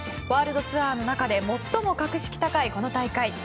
ワールドツアーの中で最も格式高い、この大会。